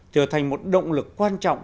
trở thành một động lực quan trọng